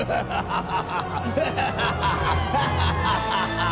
ハハハハハハ。